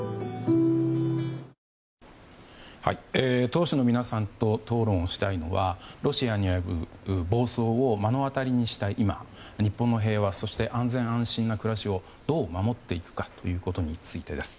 党首の皆さんと討論したいのはロシアによる暴走を目の当たりにした今日本の平和、そして安全・安心な暮らしをどう守っていくかということについてです。